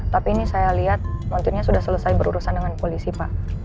tapi ini saya lihat montirnya sudah selesai berurusan dengan polisi pak